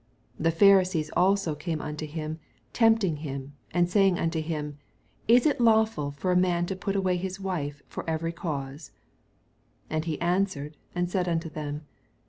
3 The Pharisees also came unto him, tempting him. and saying unto him, Is it lawful lor a man to put away his wife for every cause ? 4 And he answered and said unto them.